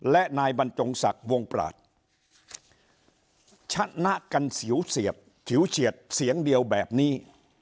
และนายบรรจงศักดิ์วงปราศชนะกันสิวเสียบฉิวเฉียดเสียงเดียวแบบนี้